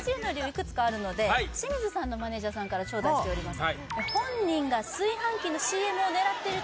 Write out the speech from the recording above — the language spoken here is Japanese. いくつかあるので清水さんのマネージャーさんからちょうだいしております